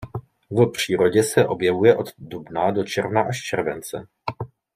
V přírodě se objevuje od dubna do června až července.